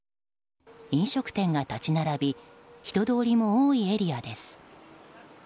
飲食店が立ち並び人通りも多いエリアです。